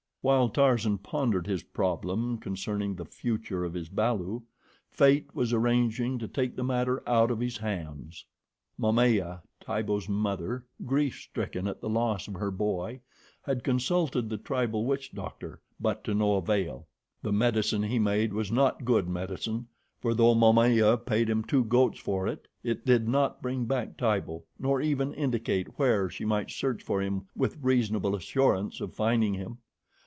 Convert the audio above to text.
While Tarzan pondered his problem concerning the future of his balu, Fate was arranging to take the matter out of his hands. Momaya, Tibo's mother, grief stricken at the loss of her boy, had consulted the tribal witch doctor, but to no avail. The medicine he made was not good medicine, for though Momaya paid him two goats for it, it did not bring back Tibo, nor even indicate where she might search for him with reasonable assurance of finding him.